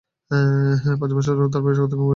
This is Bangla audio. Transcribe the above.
পাঁচ বৎসরও তার বয়স অতিক্রম করেনি।